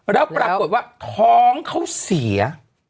แล้วปรากฏว่าท้องเขาเสีย